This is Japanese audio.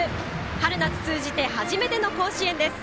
春夏通じて初めての甲子園です。